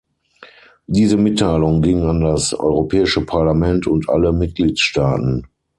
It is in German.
Diese Mitteilung ging an das Europäische Parlament und alle Mitgliedsstaaten.